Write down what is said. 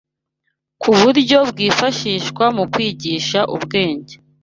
Nk’uburyo bwifashishwa mu kwigisha ubwenge